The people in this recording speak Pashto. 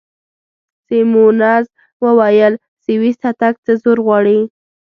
سیمونز وویل: سویس ته تګ څه زور غواړي؟